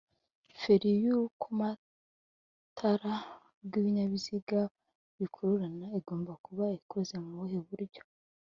feri yurukomatara rwibinyabiziga bikururana igomba kuba ikoze mubuhe buryo